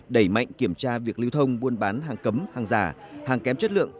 đẩy mạnh kiểm tra việc lưu thông buôn bán hàng cấm hàng giả hàng kém chất lượng